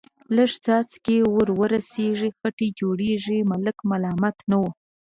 لږ څاڅکي ور ورسېږي، خټې جوړېږي، ملک ملامت نه و.